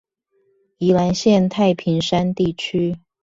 宜蘭縣太平山地區